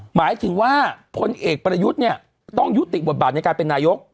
หมายถึงว่าพลเอกประยุทธ์เนี่ยต้องยุติบทบาทในการเป็นนายก